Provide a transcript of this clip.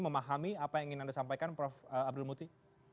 memahami apa yang ingin anda sampaikan prof abdul muti